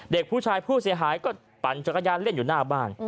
เด็กผู้ชายผู้เสียหายก็ปั่นจักรยานเล่นอยู่หน้าบ้าน